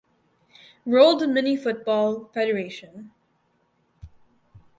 World Minifootball Federation